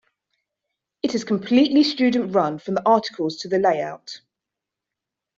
It is completely student-run, from the articles to the layout.